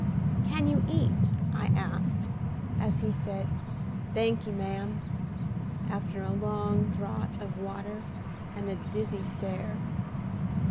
"Can you eat?" I asked, as he said, "Thanky, ma'am," after a long draught of water and a dizzy stare.